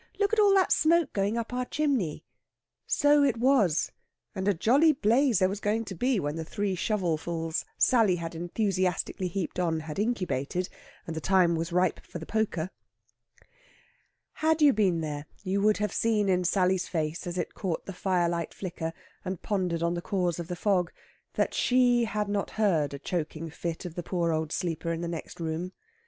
Look at all that smoke going up our chimney." So it was, and a jolly blaze there was going to be when the three shovelfuls Sally had enthusiastically heaped on had incubated, and the time was ripe for the poker. Had you been there you would have seen in Sally's face as it caught the firelight flicker and pondered on the cause of the fog, that she had not heard a choking fit of the poor old sleeper in the next room.